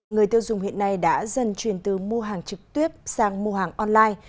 người tiêu dùng hiện nay đã dần chuyển từ mua hàng trực tiếp sang mua hàng online